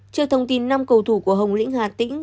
trước thông tin năm cầu thủ của hồng lĩnh hà tĩnh